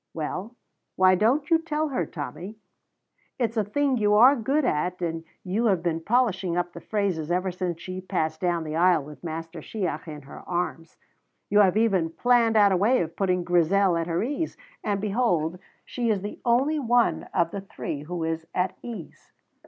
Well, why don't you tell her, Tommy? It is a thing you are good at, and you have been polishing up the phrases ever since she passed down the aisle with Master Shiach in her arms; you have even planned out a way of putting Grizel at her ease, and behold, she is the only one of the three who is at ease.